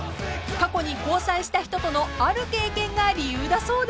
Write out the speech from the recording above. ［過去に交際した人とのある経験が理由だそうで］